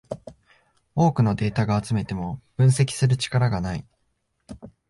多くのデータが集めても分析する力がない